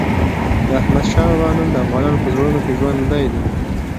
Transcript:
د احمد شاه بابا نوم د افغانانو په زړونو کې ژوندی دی.